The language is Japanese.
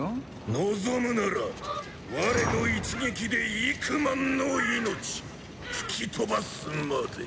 望むなら我の一撃で幾万の命吹き飛ばすまで。